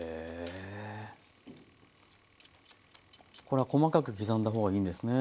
これは細かく刻んだ方がいいんですね。